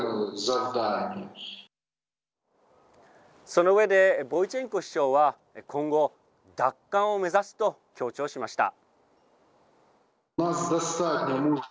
その上でボイチェンコ市長は今後、奪還を目指すと強調しました。